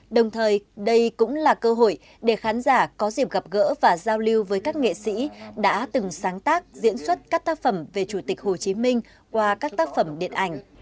đồng thời đây cũng là cơ hội để khán giả có dịp gặp gỡ và giao lưu với các nghệ sĩ đã từng sáng tác diễn xuất các tác phẩm về chủ tịch hồ chí minh qua các tác phẩm điện ảnh